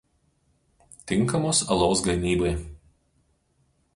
Tinkamos alaus gamybai.